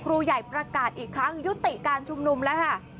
ครูใหญ่ประกาศอีกครั้งยุติการชุมนุมแล้วค่ะ